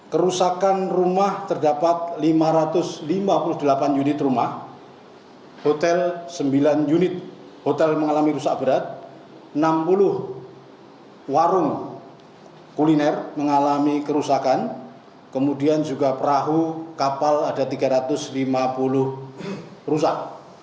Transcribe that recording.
kerusakan rumah terdapat lima ratus lima puluh delapan unit rumah hotel sembilan unit hotel mengalami rusak berat enam puluh warung kuliner mengalami kerusakan kemudian juga perahu kapal ada tiga ratus lima puluh rusak